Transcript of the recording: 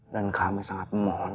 dan kami sangat memohon